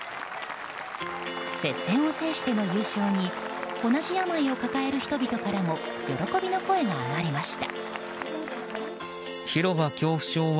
接戦を制しての優勝に同じ病を抱える人たちからも喜びの声が上がりました。